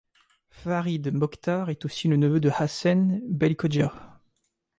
Farid Mokhtar est aussi le neveu de Hassen Belkhodja.